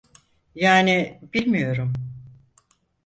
Yani bilmiyorum.